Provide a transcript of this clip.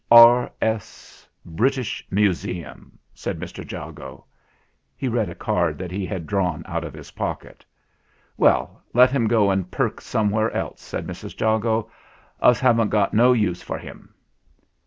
R.S., British Museum," said Mr. Jago. He read a card that he had drawn out of his pocket. "Well, let him go and perk somewhere else," said Mrs. Jago. "Us haven't got no use for him."